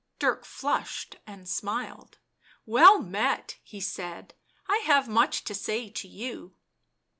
Dirk flushed and smiled. " Well met," he said. " I have much to say to you."